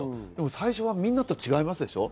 でも最初はみんなと違いますでしょう？